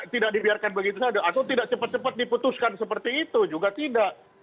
tidak dibiarkan begitu saja atau tidak cepat cepat diputuskan seperti itu juga tidak